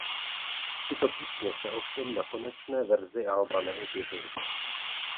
Tyto písně se ovšem na konečné verzi alba neobjevily.